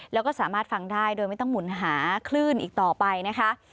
แล้วก็สามารถฟังได้โดยไม่ต้องหมุนหาคลื่นอีกต่อไปนะคะ